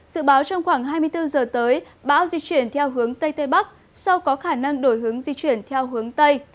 dự báo trong khoảng hai mươi bốn giờ tới bão di chuyển theo hướng tây tây bắc sau có khả năng đổi hướng di chuyển theo hướng tây